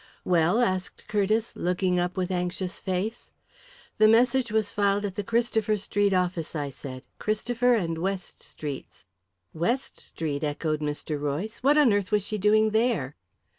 "Well?" asked Curtiss, looking up with anxious face. "The message was filed at the Christopher Street office," I said, "Christopher and West streets " "West Street?" echoed Mr. Royce. "What on earth was she doing there?"